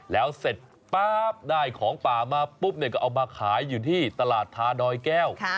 แล้วเสร็จป๊าบได้ของป่ามาปุ๊บเนี่ยก็เอามาขายอยู่ที่ตลาดทาดอยแก้ว